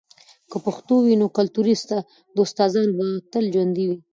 که پښتو وي، نو کلتوري داستانونه به تل ژوندۍ وي.